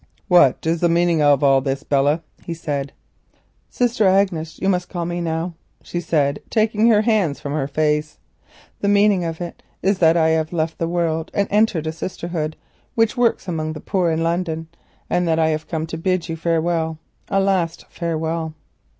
"What is the meaning of all this, Belle?" he said. "'Sister Agnes,' you must call me now," she said, taking her hands from her face. "The meaning of it is that I have left the world and entered a sisterhood which works among the poor in London, and I have come to bid you farewell, a last farewell."